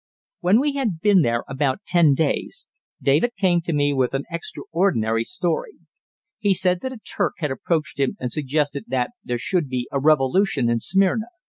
When we had been there about ten days David came to me with an extraordinary story. He said that a Turk had approached him and suggested that there should be a revolution in Smyrna.